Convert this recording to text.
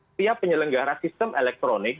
setiap penyelenggaraan sistem elektronik